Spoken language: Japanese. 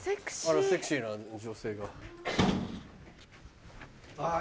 あらセクシーな女性が。